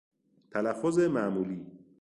تلفظ معمولی